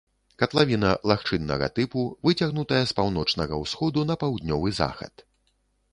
Катлавіна лагчыннага тыпу, выцягнутая з паўночнага ўсходу на паўднёвы захад.